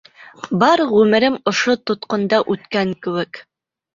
Бар ғүмерем ошо тотҡонда үткән кеүек.